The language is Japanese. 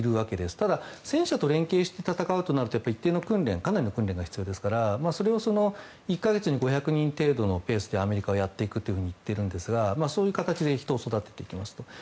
ただ、戦車と連係して戦うとなるとかなりの訓練が必要ですからそれを１か月に５００人程度のペースでアメリカはやると言っているんですがそういう形で人を育てていきます。